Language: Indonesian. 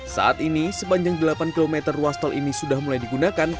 saat ini sepanjang delapan km ruas tol ini sudah mulai digunakan